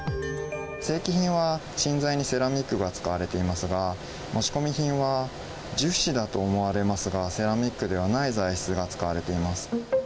正規品はちんざいにセラミックが使われていますが、持ち込み品は、樹脂だと思われますが、セラミックではない材質が使われています。